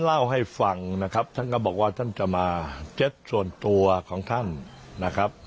เล่าให้ฟังนะครับท่านก็บอกว่าท่านจะมาเจ็ตส่วนตัวของท่านนะครับ